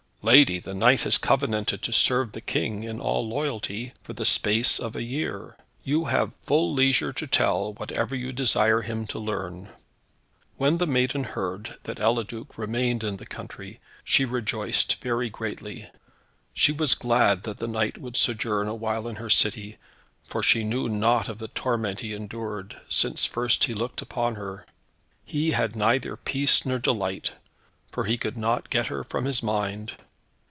"Lady, the knight has covenanted to serve the King, in all loyalty, for the space of a year. You have full leisure to tell, whatever you desire him to learn." When the maiden heard that Eliduc remained in the country, she rejoiced very greatly. She was glad that the knight would sojourn awhile in her city, for she knew naught of the torment he endured, since first he looked upon her. He had neither peace nor delight, for he could not get her from his mind.